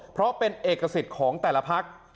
เพราะเป็นเอกสิทธิ์ของแต่ละพัก